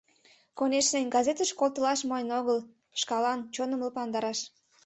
Конешне, газетыш колтылаш мойн огыл, шкалан, чоным лыпландараш.